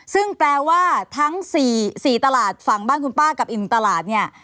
ซึ่งแปลว่าทั้ง๔ตลาดฝั่งบ้านคุณป้ากับอีกหนึ่งตลาดเนี่ย